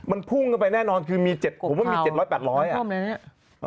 ผมมันปุ้งไว้แน่นอนคือมี๗๘๐๐บาท